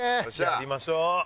やりましょう！